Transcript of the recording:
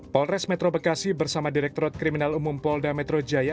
polres metro bekasi bersama direktorat kriminal umum polda metro jaya